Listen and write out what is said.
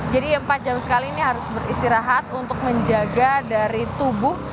jadi empat jam sekali ini harus beristirahat untuk menjaga dari tubuh